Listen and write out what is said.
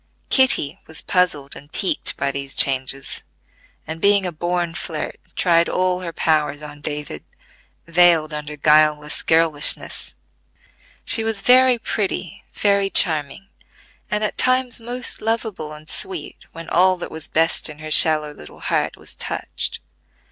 Kitty was puzzled and piqued by these changes, and being a born flirt tried all her powers on David, veiled under guileless girlishness. She was very pretty, very charming, and at times most lovable and sweet when all that was best in her shallow little heart was touched.